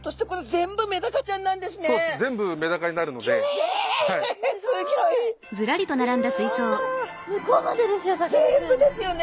全部ですよね？